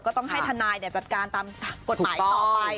ก็ต้องให้ทนายจัดการตามกฎหมายต่อไป